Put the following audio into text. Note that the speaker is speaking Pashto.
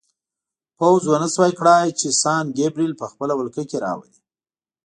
پوځ ونه شوای کړای چې سان ګبریل په خپله ولکه کې راولي.